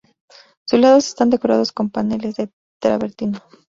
Sus lados están decorados con paneles de travertino.